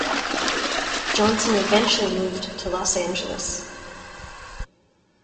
Johnson eventually moved to Los Angeles.